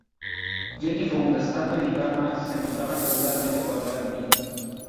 Jenny von Westphalen y Karl Marx se encontraban regularmente cuando eran niños.